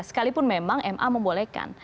sekalipun memang ma membolehkan